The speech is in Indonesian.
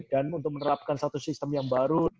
dan untuk menerapkan satu sistem yang baru